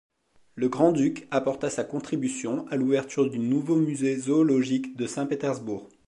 Le grand-duc apporta sa contribution à l'ouverture du nouveau musée zoologique de Saint-Pétersbourg.